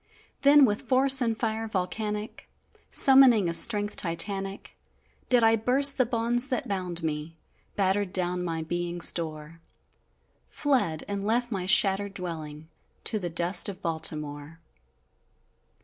Then with force and fire volcanic, Summoning a strength Titanic, Did I burst the bonds that bound me Battered down my being's door; Fled, and left my shattered dwelling To the dust of Baltimore!